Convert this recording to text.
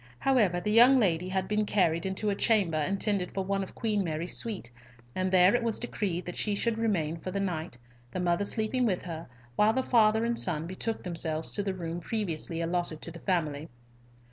However, the young lady had been carried to a chamber intended for one of Queen Mary's suite; and there it was decreed that she should remain for the night, the mother sleeping with her, while the father and son betook themselves to the room previously allotted to the family.